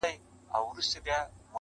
چې تعصب څوک کوي